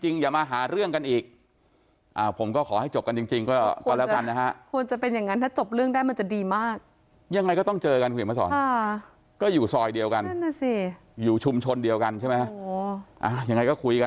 จริงอย่ามาหาเรื่องกันอีกผมก็ขอให้จบกันจริงก็แล้วกัน